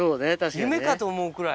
夢かと思うくらい。